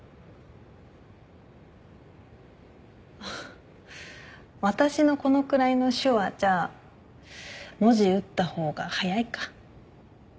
あっ私のこのくらいの手話じゃ文字打った方が早いか。